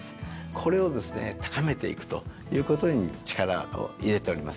これをですね高めていくということに力を入れております。